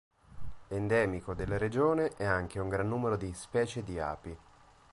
Endemico della regione è anche un gran numero di specie di api.